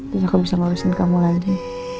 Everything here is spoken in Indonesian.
aku bisa ngurusin kamu lagi